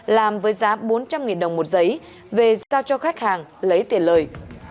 làm với giá bốn trăm linh đồng một giấy về giao cho khách hàng lấy tiền lời